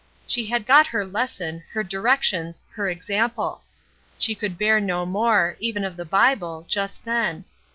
She had got her lesson, her directions, her example. She could bear no more, even of the Bible, just then.